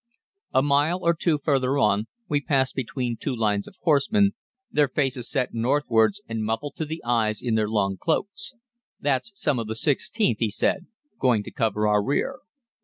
"A mile or two further on we passed between two lines of horsemen, their faces set northwards and muffled to the eyes in their long cloaks. 'That's some of the 16th,' he said, 'going to cover our rear.'